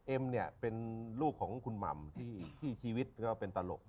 เอ็มเนี่ยเป็นลูกของคุณหม่ำที่ชีวิตก็เป็นตลก